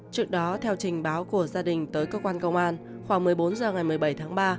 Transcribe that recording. trước đó theo trình báo của gia đình tới cơ quan công an khoảng một mươi bốn h ngày một mươi bảy tháng ba